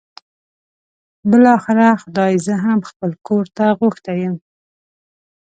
بالاخره خدای زه هم خپل کور ته غوښتی یم.